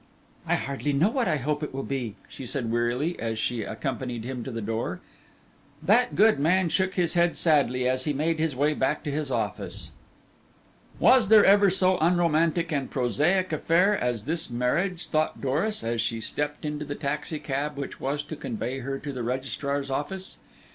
"I hardly know what I hope it will be," she said wearily, as she accompanied him to the door. That good man shook his head sadly as he made his way back to his office. Was there ever so unromantic and prosaic affair as this marriage, thought Doris, as she stepped into the taxicab which was to convey her to the registrar's office?